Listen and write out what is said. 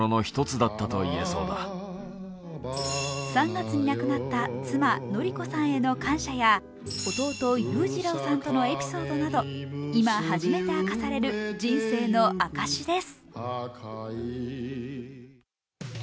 ３月に亡くなった妻、典子さんへの感謝や弟・裕次郎さんのエピソードなど今、初めて明かされる人生の証しです。